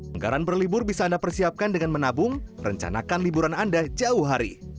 anggaran berlibur bisa anda persiapkan dengan menabung rencanakan liburan anda jauh hari